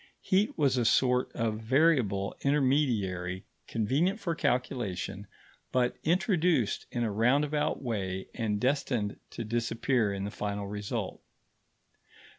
Heat was a sort of variable intermediary convenient for calculation, but introduced in a roundabout way and destined to disappear in the final result.